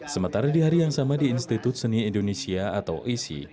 sementara di hari yang sama di institut seni indonesia atau isi